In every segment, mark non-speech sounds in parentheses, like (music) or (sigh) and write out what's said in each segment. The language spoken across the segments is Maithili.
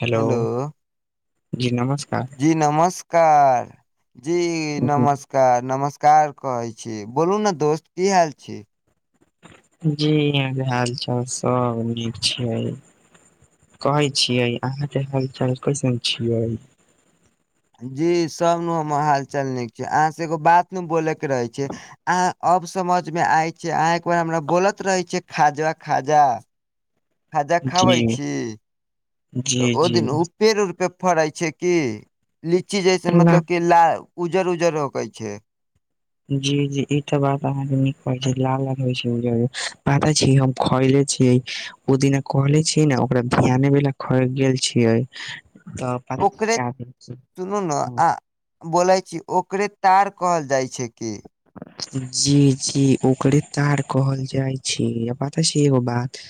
हेलो, जी नमस्कार। जी नमस्कार, जी नमस्क। केऽ नमस्कार कहै छी, बोलू ने दोस्त की हाल छै। जी, इहाँ के हाल-चाल सब नीक छै। कहै छियै, अहाँ के हाल-चाल कैसन छियै। जी सब न हमर हालचाल नीक छै, अहाँ से एगो बात न बोले के रहे छै। अहाँ अब समझमें आय छै, अहाँ एक बेर हमरा बोलत रहै छियै खाजा- खाजा। खाजा खाबै जी छी। तऽ जी ओहि जी दिन, ओ पेड़-उड़ पे फड़ै छै कि, लीची जैसन मतलब कि ला। उजर उजर होकै छै। जी-जी इ तऽ बात अहाँके नीक कहै छी, लाल-लाल होय छै, उजर-उजर पागल छी हम। खलै छियै ओ दिना कहले छियै ने ओकरा ध्याने वला कहै गेल छियै। तऽ। पता ओकरे का भेल छै? सुनु ने आ। बोलै छी, ओकरे तार कहल जाइत छै कि। जी-जी ओकरे तार कहल जाइ छै, आ पता छै एगो बात।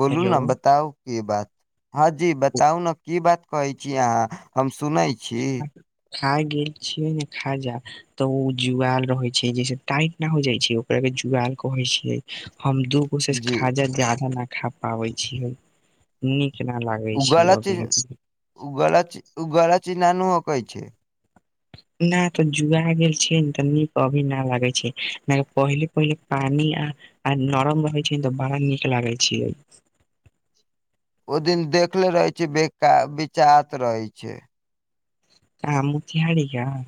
बोलू हेलो न, ओ बताउ की बात हँ जी बताउ न की बात। कहै छी अहाँ, हम सुनै छी। खा गेल छियै ने खाजा। तऽ ओ जुआाल रहै छै, जैसे टाइट न हो जाइ छै ओकरा के जुआाल कहै छियै हम दु। ओशेश, जी खाजा जादा नहि खा पाबै छीयै। नीक नहि लागै उ छै गलत चीज अभी। उ गल, उ गलत चीज़ ना नू होकै छै। ना तो जुड़ा गेल छीयै न तऽ नीक अभी ना लागै छै ना कि पहिले पहिले पानी आ आ नरम रहै छै तऽ बड़ा नीक लागय छीयै। ओ दिन देखले रहै छै बेका बिचात रहै छै कहाॅं मोतिहारी गाॅंव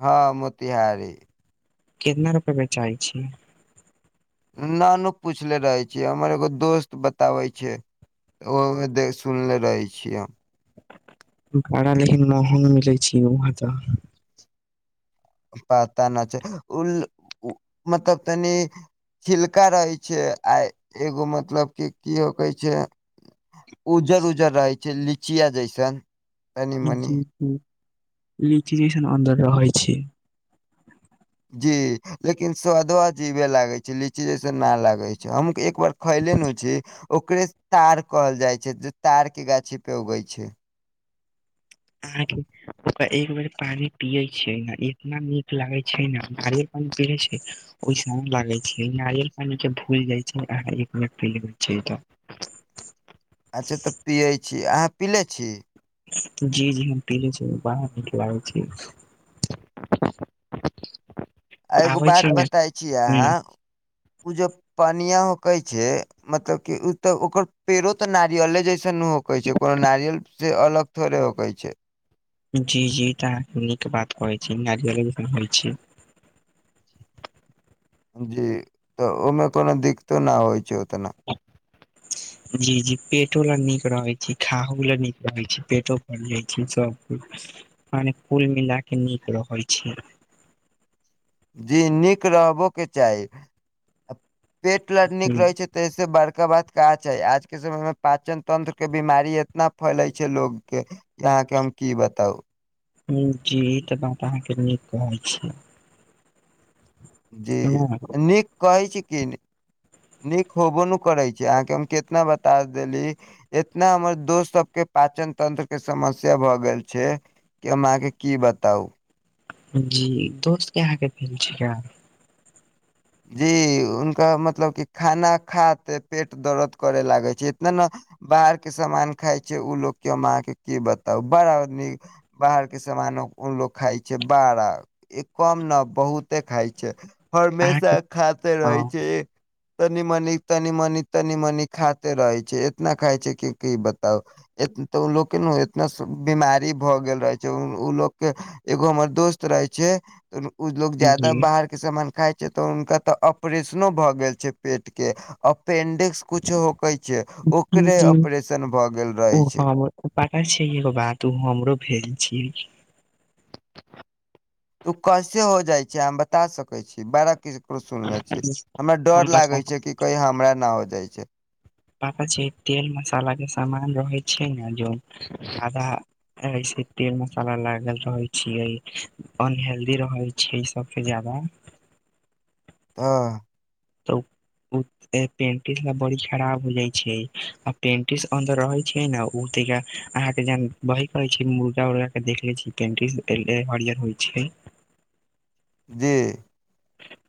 हँ मोतिहारी केतना रुपये बेचाइ छै न नू पूछले रहे छि हमर एगो दोस्त बताबै छै ओ ओहे दे सुनले रहै छिये हम बड़ा लेकिन महंग मिलै छै यौ वहाँ तऽ पता न छै उल मतलब तनि छिलका रहै छै आ एगो मतलब कि की ऊ कहे छै उज्जर उजर रहै छै लीचिया जैसन तनी मनी जी जी लिची जैसन अन्दर रहै छै जी लेकिन स्वादवा अजीबे लागै छै लीची जैसन नि लागै छै हम एक बार खैले नु छी ओकरे तार कहल जाइ छै जे तार के गाछी पे उगै छै अहाॅंके ओकरा एक बेर पानि पियै छियै ने इतना नीक लागै छै ने भारे पान पियै छै ओहिसन लागै छै नारियल पानी के भूल जाइ छै अहाॅं एक बेर पी लेबे छै तऽ अच्छा तऽ पियै छी अहाँ पीेले छी? जी जी हम पीले छी बडा निक लागै छै आ एगो आबे छै बात ने बताइ छी ह अहाँ ऊ जे पनिया होके छै मतलब की उ त ओकर पेड़ो ते नारियले जैसे सनु होकै छै कोनो नारियल से अलग थोड़े होकै छै जी जी ई तऽ अहाॅं नीक बात कहै छी नारियले जकां होइ छै जी तऽ ओमे कोनो दिक्कतो ना होइ छै ओतना जी जी पेटो ला नीक रहै छै खाहो ला नीक रहैत छै पेटो भर जाइ छै सबकुछ माने कुल मिला के नीक रहै छै जी नीक रहबो के चाही पेट ला नीक हूँ रहै छै तऽ से बड़का बात का छै आज के समय मे पाचन तंत्र के बीमारी एतना फैले छै लोग के जे अहाँके हम की बताउ जी ई तऽ बात अहाँके नीक कहै छी जी ना। नीक कहै छी की नीक होबो नु करै छै अहाँके हम कितना बता देली एतना हमर दोस्त सब के पाचन तंत्र के समस्या भए गेल छै की हम अहाँके की बताउ जी दोस्तके अहाँके भेल छैक जी हुनका मतलब कि खाना खाते पेट दर्द करे लागै छै इतना ने बाहर के सामान खाय छै ऊ लग की अहाॅंके की बताउ बड़ा नी बाहर के सामानो ऊ लोग खााय छै बड़ा कम ना बहुते खाय छै अहाँके हमेशा खाते रहै हँ छै तनी मनी तनी मनी तनी मनी खाते रहै छै इतना खाय छै कि की बताउ तऽ ऊ लोकके ना एतना बीमारी भऽ गेल रहै छै ऊ लोकके एगो हमर दोस्त रहे छै ए लोग जादा जी बाहर के सामान खाय तऽ हुनका तऽ ऑपरेशनो भऽ गेल छै पेटके अपेनडिक्स- कुछु होकै छै, जी ओकरे जी ऑपरेशन भऽ गेल रहै छै। हम ओ पता छै एगो बात, ओ हमरो भेल छी। ओ कैसे हो जाइ छै, अहाँ बता सकै छी बारह किस। ककरो सुनले छी, हमरा हम डर बता लागे छै कि कहीं हमरा न हो जाइ छै। पाता छै, तेल-मसाला के सामान रहै छै ने जो आधा। ऐसे तेल-मसाला लागल रहै छियै, अनहेल्दी रहै छीये सबसँ जादा। तऽ। (unintelligible) पेंटिस बड़ी खराब हो जाइ छै, आ पेंटिस अन्दर रहै छै ने ओ त यार। अहाँ के जहन वहे कहै छी मुर्गा-उर्गा के देखले छीं पेंटिस हरियर होइ छै। जी।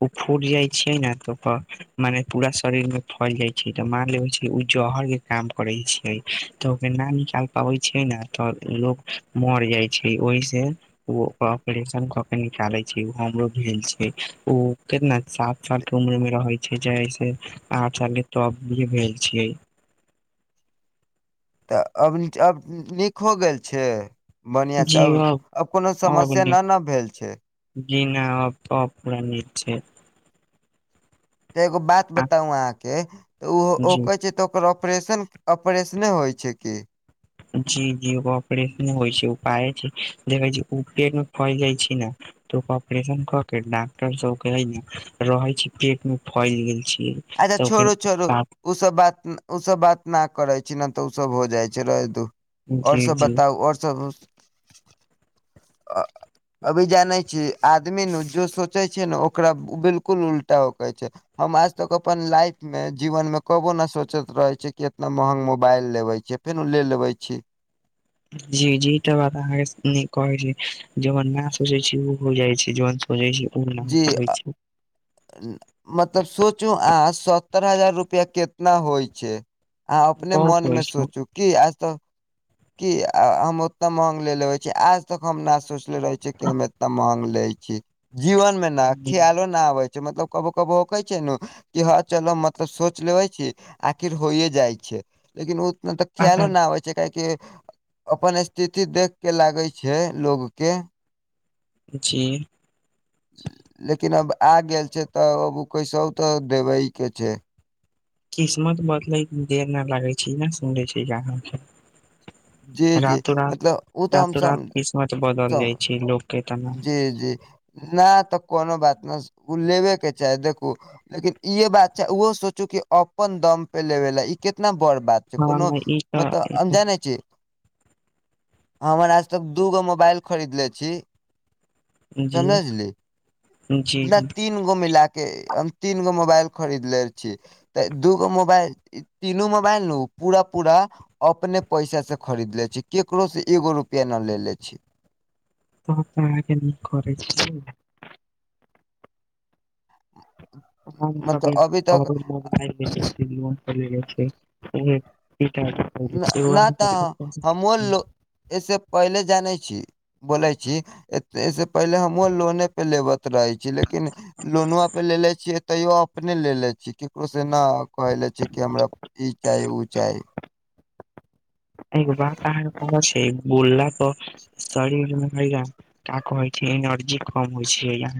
ओ फूटि जाइ छै ने तऽ, ओ मने पूरा शरीर में फैल जाइ छै। तऽ मान लेबै छै, ओ जहर के काम करै छै तऽ ओकर न निकाल पाबै छैै ने तऽ लोक। मर जाइ छै ओहिसँ। ओ ओकर ऑपरेशन क के निकालै छै, ओ हमरो भेल छै। ओ कितना सात साल के उम्र में रहै छै, जस आठ साल के तभ भेल छीयै। तऽ अब, अब नीक हो गेल छै। बढ़िया सब, अब कोनो अब समस्या नीक न-न भेल छै। जी नय अब, अब पूरा नीक छै। त एगो बात आ बताउ अहाँके, तऽ ओ ओ जी कहै छै त। ओकर ऑपरेशन, ऑपरेशने होइ छै कि। जी-जी ऑपरेशन होइ छै, उपाय छै देखै छी ओ पेट में फैइल जाइ छै ने। त ऑपरेशन कऽ के डॉक्टर सबके है ने, रहै छै पेट में फैइल गेल छी। अच्छा, छोड़ू- छोड़ू। उ सब बात, उ सब बात न करे छी, ने तऽ सब हो जाय छै रहे दू। आओर जी सब जी बताउ, आओर सब। अ अभी जानै छी। आदमी ने जो सोचे छै ने, ओकरा बिल्कुल उल्टा होकै छै। हम आज तक अपन लाइफ में, जीवन में कबोहो न सोचैत रहै छियै कि एतना महग मोबाइल लेबै छियै। फेनु ले लेबै छी। जी-जी इ त बात अहाँ नीक कहै छी, जे बात न सोचै छी ओ हो जाइ छै, जन सोचै छी। ऊ ना हो जी पाबै अ, छै। मतलब सोचू अहाँ, सत्तर हजार रुपया कितना होइ छै। अहाँ अपने मन बहुत में होइ छै सोचू। की आज तक, की हम ओतना महग ले लेबे छी आज तक हम ना सोच। रह छै हम एतना महग लै छी, जीवन में न ख्यालो न आबै। मतलब कबो-कबो हौकै छै नू कि हँ चल मतलब सोच लेबै छी। आखिर होइये जाइ छै, लेकिन उतना तऽ ख्यलो पता न आबै। जे काहे कि, अपन स्थिति देख के लागै छै लोग के। जी। लेकिन अब आ गेल छै तऽ ओ कैसोहो तऽ देबे के छै। किस्मत बदलैत देर ना लागे छै ई न सुने छै जा। जी जी रातों-रात, मतलब ओ तऽ हम रातों-रात सम किस्मत बदल जाइ छै लोक। के तना जी-जी, ना तऽ कोनो बात न ओ लेबेके चाही देखू। लेकिन इे बात छै, ओहो सोचू क अपन दम पे लेबे ला ई कितना बड़ बात। कोनो हँ ई मतऽ तऽ अनजाने छै। हमर आज तक दूगो मोबाइल खरीदले छी। जी समझली जी न जी तील। गो मिलाके, हम तीन गो मोबाइल खरीदले छी तऽ दूगो मोबाइल। तीनू मोबाइल नु पूरा-पूरा। अपने पैसा से खरीदले छी, केकरो से एगो रुपआ न लेेले छी। तऽ त आहाके नीक करै छी। हम सब मतलब एक। अभी तक (unintelligible) नहि तऽ ह मोलो। ऐसे पहिले जानै छी, बोले छी ऐसे पहिले हमहुँ लोने। पे लेबत रहै छी, लेकिन लोनुआ पे लेेले छीयै। तैयो अपने लेले छीये, केकरो से नै कहऽ ले छी कि हमरा इ चाही ओ चाही। एगो बात अहां के कहऽछै, बोलला तऽ। शरीर में हैया, का कहै छै एनर्जी कम होइ छै ये।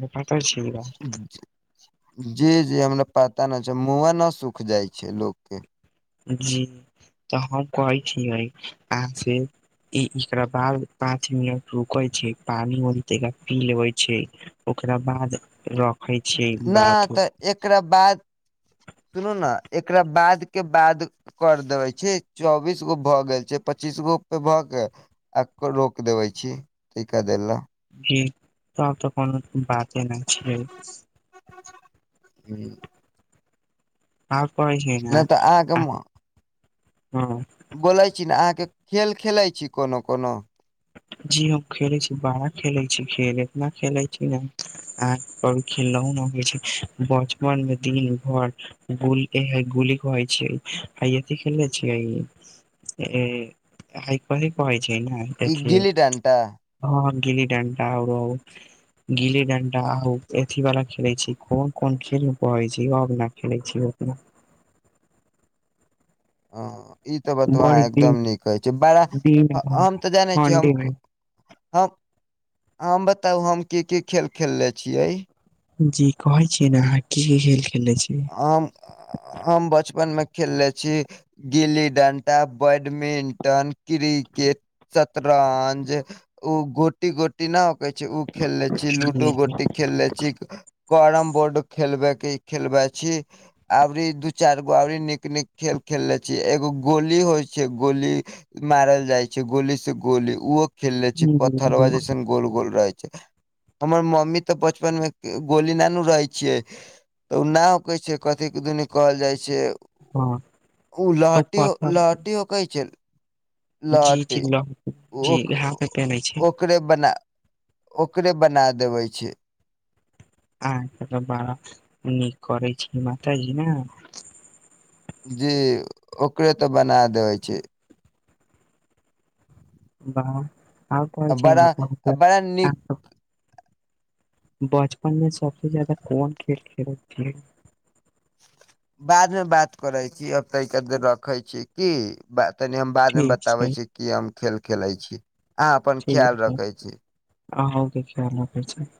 जी-जी हमरा पता नहि छै, मुँहो नहि सुख जाइ छै लोकके। जी तऽ हम कहै छियै अहांके। एकरा बाद पाँच मिनट रुकै छी, पानी ओतय पी लेबै छै। ओकरा बाद र। न तऽ एकरा बाद, सुनू ने, एकरा बाद के बाद। कर देबे छै, चौबीस गो भऽ गेल छै पच्चीस गो पे भऽ के। आ रोक देबै छी, एक-आध देर लेऽ। जी त तऽ कोनो बाते न छै। हूं। आब कहै छै ने नहि तऽ अहाँके हँ। बोलै छी ने, अहाँके खेल-खेलै छी कोनो-कोनो। जी हम खेलै छी बड़ा खेलै छी खेल, इतना खेलै छी ने। आब खेललो नै अबै छै, बचपन में दिन भर। गुल के है गुली कहै छीये, हइ अथि खेलने छियै। एहेइ कथि कहइ छै ने ई गिल्ली डंटा देखियौं। हँ गिली-डंटा आओरो। गिल्ली-डंडा आ ओ अथी वाला खेलै छी, कोन- कोन खेल कहै छै यौ। खेलै छियै ओ अपन। हां इ तऽ बातबा बड़ अहाँ दिन एकदम नीक कहै छि, बड़ा दिन भर हम तऽ जानै छियै हम। ठंडी मे हम, हम बताउ हम की-की खेल खेलले छियै। जी कहै छीयै ने, अहाँ की-की खेल खेलने छीयै। हम, हम बचपन में खेलले छी। गिल्ली-डंटा, बैडमिंटन, क्रिकेट, शतरंज। ओ गोटी-गोटी न हो कहै छै ओ खेलले छी, लूडो गोटी खेलले छी। करम बोर्ड खेलबे के, खेलबे छी। अबरी दू-चारि गो अबरी नीक-नीक खेल खेलले छि एगो गोली होइ छै गोली। मारल जाइ छै, गोली से गोली ओ। खेलले छी, पत्थरबा जेसन गोल-गोल रहै छै। हमर मम्मी तऽ बचपन में गोली नै नू रहै छियै तऽ ओ न। कथी दुनि कहल जाइ छै, हँ ओ आ लहटि ओ पत्थर लहटि। कहै छै जी जी लहटी ल जी हाथ पे पेन्है छी ओ। ओकरे बना ओकरे बना देबे छै। अहाँ तऽ बड़ा नीक करै छी माताजी ने। जे ओकरे तऽ बना देबै छै। वाह, आब कोन आ छै बड़ा आ बड़ा नीक न। बचपन में सबसे जादा कोन खेल-खेलैत छलियै। बाद में बात करै छी, अब तनिके देर रखै छी की तनि हम। बाद में ठीक छै बताबै छी, की हम खेल-खेलै छी। अहाँ अपन ख्याल ठीक रखै छी अहूं देखियौ हमो देखै छी।